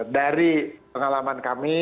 dari pengalaman kami